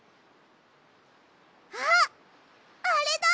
あっあれだ！